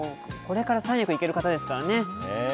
これから三役いける方ですからね。